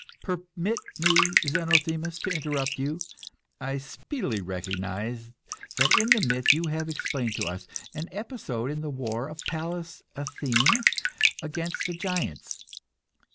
Permit me, Zenothemis, to interrupt you. I speedily recognised in the myth you have explained to us an episode in the war of Pallas Athene against the giants.